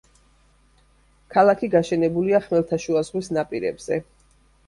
ქალაქი გაშენებულია ხმელთაშუა ზღვის ნაპირებზე.